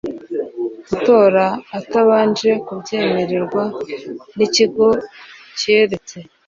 gukora atabanje kubyemererwa n Ikigo cyeretse